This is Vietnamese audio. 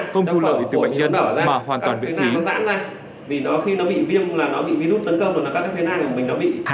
không thu lợi từ bệnh nhân mà hoàn toàn bị phí